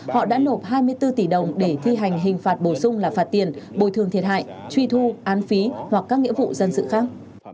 họ đã nộp hai mươi bốn tỷ đồng để thi hành hình phạt bổ sung là phạt tiền bồi thường thiệt hại truy thu án phí hoặc các nghĩa vụ dân sự khác